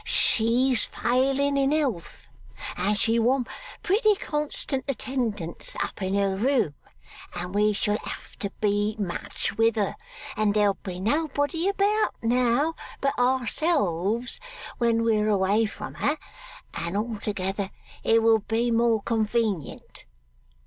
She's failing in health, and she'll want pretty constant attendance up in her room, and we shall have to be much with her, and there'll be nobody about now but ourselves when we're away from her, and altogether it will be more convenient.